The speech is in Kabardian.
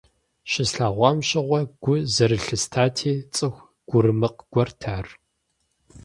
Щыслъэгъуам щыгъуэ гу зэрылъыстати, цӀыху гурымыкъ гуэрт ар.